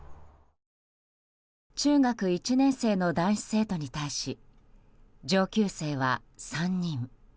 中学１年生の男子生徒に対し上級生は３人。